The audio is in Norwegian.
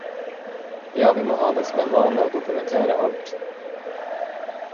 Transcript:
Ja, vi må ha det som en vane å dokumentere alt